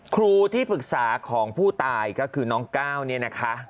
ครูที่ปรึกษาของผู้ตายก็คือน้องก้าวเนี่ยนะคะ